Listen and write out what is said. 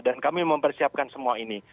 dan kami mempersiapkan semua ini